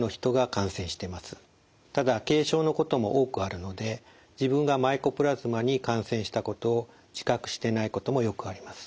ただ軽症のことも多くあるので自分がマイコプラズマに感染したことを自覚してないこともよくあります。